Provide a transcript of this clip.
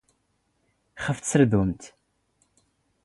ⵅⴼ ⵜⵙⵔⴷⵓⵏⵜ.